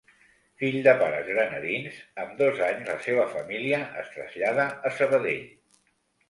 Fill de pares granadins, amb dos anys la seva família es trasllada a Sabadell.